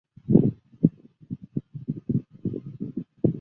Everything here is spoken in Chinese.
后来这被视为是辉格史的一个例子。